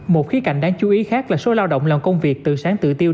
một khí cảnh đáng chú ý khác là số lao động làm công việc từ sáng tự tiêu